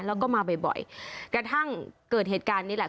แล้วก็มาบ่อยกระทั่งเกิดเหตุการณ์นี้แหละ